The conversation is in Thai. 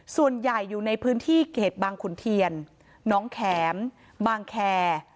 ส่วนใหญ่อยู่ในพื้นที่เขตบางขุนเทียนน้องแข็มบางแคร์